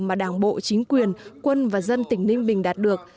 mà đảng bộ chính quyền quân và dân tỉnh ninh bình đạt được